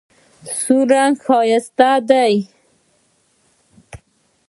سور رنګ ښایسته دی.